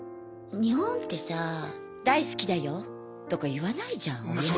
日本ってさ大好きだよとか言わないじゃん親に。